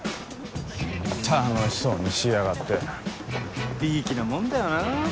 楽しそうにしやがっていい気なもんだよなぁ。